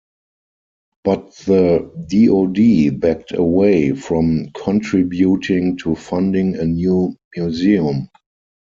But the DoD backed away from contributing to funding a new museum.